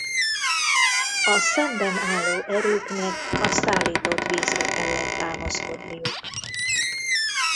A szemben álló erőknek a szállított vízre kellett támaszkodniuk.